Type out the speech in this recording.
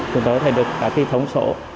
chúng tôi có thể được các thống số